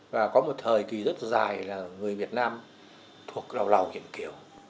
và có một thời kỳ rất dài là người việt nam thuộc lầu lầu chuyện kiều